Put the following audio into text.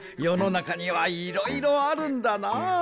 なかにはいろいろあるんだな。